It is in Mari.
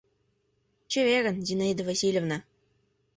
Чеверын, Зинаида Васильевна!